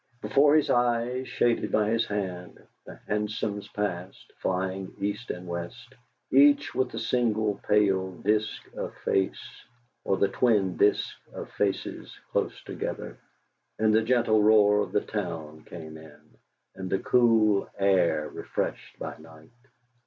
Before his eyes, shaded by his hand, the hansoms passed, flying East and West, each with the single pale disc of face, or the twin discs of faces close together; and the gentle roar of the town came in, and the cool air refreshed by night.